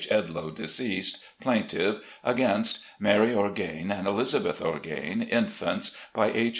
Edloe, deceased, Plaintiff, against Mary Orgain and Elizabeth Orgain, infants, by H.